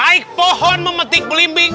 naik pohon memetik belimbing